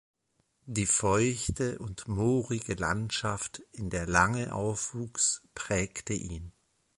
Die feuchte und moorige Landschaft, in der Lange aufwuchs, prägte ihn.